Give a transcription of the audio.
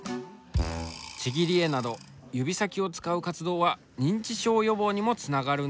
ちぎり絵など指先を使う活動は認知症予防にもつながるんだとか。